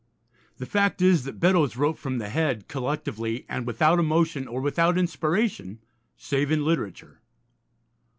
The fact is, that Beddoes wrote from the head, collectively, and without emotion, or without inspiration, save in literature.